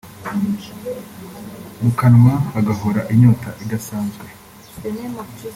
mu kanwa hagahora inyota idasanzwe